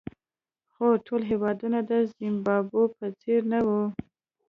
خو ټول هېوادونه د زیمبابوې په څېر نه وو.